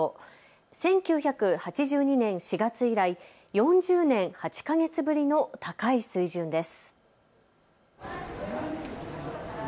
１９８２年４月以来４０年８か月ぶりの高い水準です。